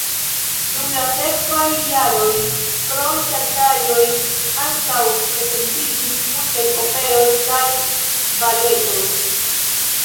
Dum la sekvaj jaroj krom teatraĵoj ankaŭ prezentiĝis multaj operoj kaj baletoj.